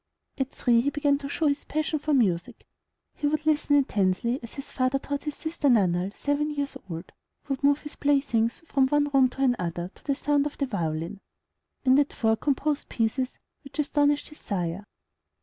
At three, he began to show his passion for music. He would listen intensely as his father taught his little sister, Nannerl, seven years old; would move his playthings from one room to another, to the sound of the violin; and at four, composed pieces which astonished his sire.